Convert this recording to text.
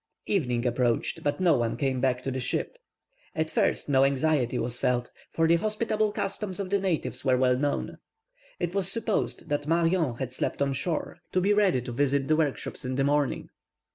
Evening approached, but no one came back to the ship. At first no anxiety was felt, for the hospitable customs of the natives were well known. It was supposed that Marion had slept on shore, to be ready to visit the workshops in the morning.